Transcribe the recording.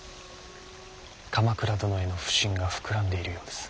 鎌倉殿への不信が膨らんでいるようです。